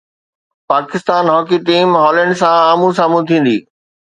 Pakistan hockey team Holland سان آمهون سامهون ٿيندي